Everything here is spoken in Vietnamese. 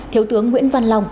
thiếu tướng nguyễn văn long